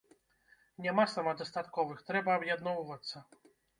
Няма самадастатковых, трэба аб'ядноўвацца.